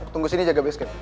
tunggu sini jaga base camp